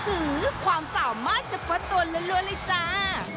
อื้อหือความสาวมากเฉพาะตัวละล่วนเลยจ้า